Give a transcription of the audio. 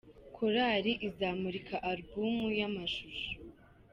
Korali azamurika alubumu y’amashusho